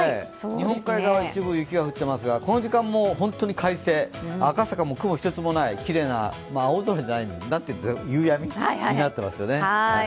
日本海側、一部、雪が降ってますがこの時間も本当に快晴、赤坂も雲一つない、青空じゃない、夕闇になってますよね。